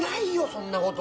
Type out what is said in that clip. そんなこと。